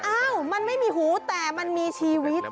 อ้าวมันไม่มีหูแต่มันมีชีวิต